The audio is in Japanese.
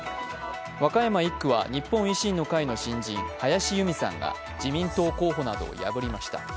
和歌山１区は日本維新の会の新人、林佑美さんが自民党候補などを破りました。